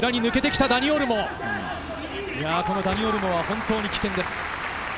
ダニ・オルモは本当に危険です。